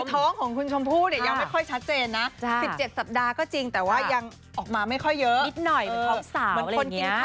ถ้องของคุณชมผู้เดียวยังไม่ค่อยชัดเจนนะ๑๗สัปดาห์ก็จริงแต่ยังออกมาไม่ค่อยเยอะ